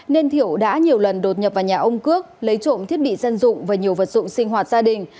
nên thiệu đã nhiều lần đột nhập vào nhà ông cước lấy trộm thiết bị dân dụng và nhiều vật dụng sinh hoạt gia đình